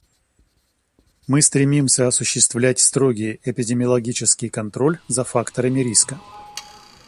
Мы стремимся осуществлять строгий эпидемиологический контроль за факторами риска.